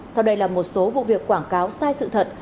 sau đây là một số vụ việc quảng cáo sai sự thật